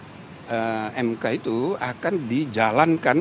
putusan mk itu akan dijalankan